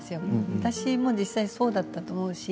私も実際そうだったと思うし。